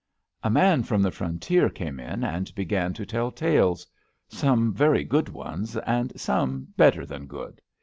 A man from the frontier came in and began to tell tales — some very good ones, and some better than good.